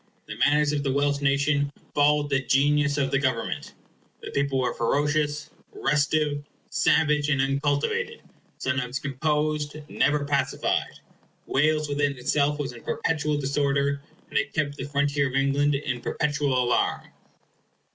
The manners of the Welsh nation followed the genius of the government. The people were ferocious, restive, savage, and uncultivated; sometimes composed, never pacified. Wales, within itself, was in perpetual disorder, and it kept the frontier of England in perpetual alarm.